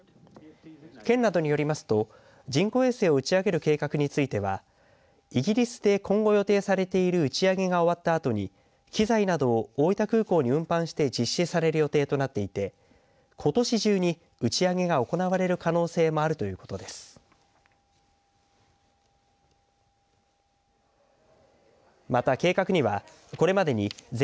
県などによりますと人工衛星を打ち上げる計画についてはイギリスで今後予定されている打ち上げが終わったあとに機材などを大分空港に運搬して実施される予定となっていてことし中に打ち上げが行われる可能性もあるということです。